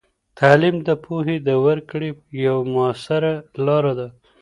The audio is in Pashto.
تعلیم د پوهې د ورکړې یوه مؤثره لاره ده.